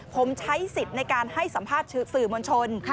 ผมใช้สิทธิ์ในการให้สัมภาษณ์สื่อมวลชน